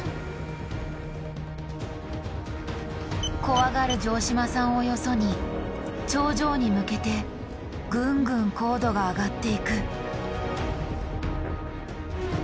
怖がる城島さんをよそに頂上に向けてぐんぐん高度が上がっていく。